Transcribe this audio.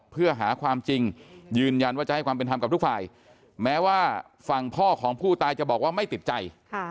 เพื่อหาความจริงยืนยันว่าจะให้ความเป็นธรรมกับทุกฝ่ายแม้ว่าฝั่งพ่อของผู้ตายจะบอกว่าไม่ติดใจ